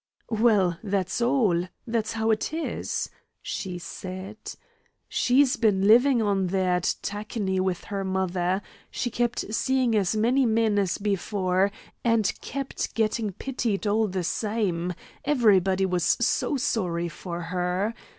"Well, that's all; that's how it is," she said. "She's been living on there at Tacony with her mother. She kept seeing as many men as before, and kept getting pitied all the time; everybody was so sorry for her.